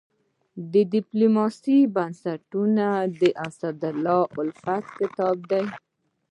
د ډيپلوماسي بنسټونه د اسدالله الفت کتاب دی.